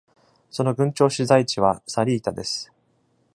その郡庁所在地はサリータです。